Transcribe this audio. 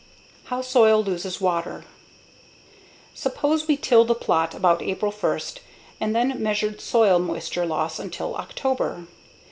_ How Soil Loses Water Suppose we tilled a plot about April 1 and then measured soil moisture loss until October.